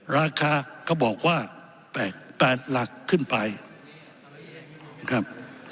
ราคาก็บอกว่า๘หลักขึ้นไปนะครับ